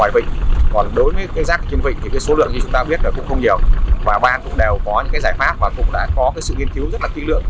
và ban cũng đều có những giải pháp và cũng đã có sự nghiên cứu rất là kỹ lượng